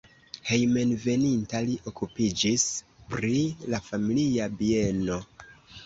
Hejmenveninta li okupiĝis pri la familia bieno.